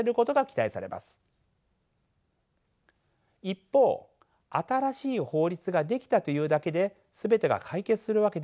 一方新しい法律が出来たというだけで全てが解決するわけではありません。